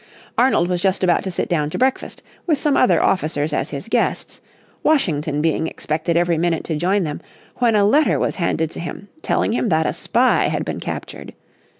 Arnold was just about to sit down to breakfast, with some other officers as his guests, Washington being expected every minute to join them, when a letter was handed to him, telling him that a spy had been captured.